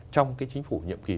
trong cái chính phủ nhiệm kỳ